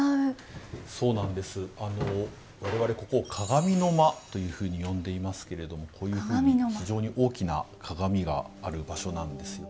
あの我々ここを鏡の間というふうに呼んでいますけれどもこういうふうに非常に大きな鏡がある場所なんです。